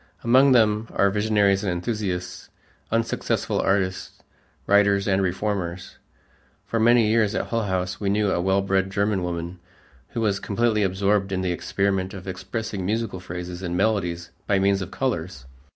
Among them are visionaries and enthusiasts, unsuccessful artists, writers, and reformers. For many years at Hull House, we knew a well bred German woman who was completely absorbed in the experiment of expressing musical phrases and melodies by means of colors.